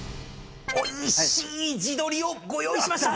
おいしい地鶏をご用意しました！